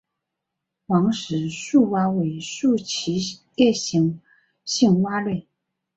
王氏树蛙为树栖夜行性蛙类。